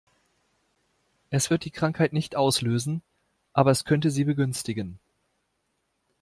Es wird die Krankheit nicht auslösen, aber es könnte sie begünstigen.